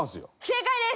正解です！